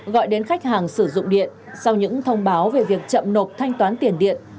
gọi đến khách hàng sử dụng điện sau những thông báo về việc chậm nộp thanh toán tiền điện